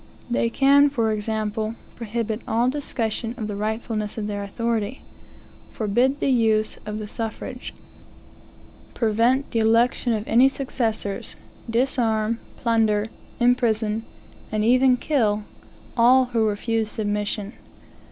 They can, for example, prohibit all discussion of the rightfulness of their authority; forbid the use of the suffrage; prevent the election of any successors; disarm, plunder, imprison, and even kill all who refuse submission.